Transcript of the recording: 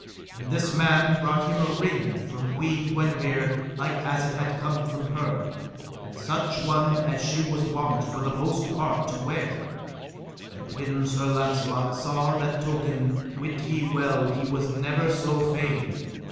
And this man brought him a ring from Queen Guenever like as it had come from her, and such one as she was wont for the most part to wear; and when Sir Launcelot saw that token wit ye well he was never so fain.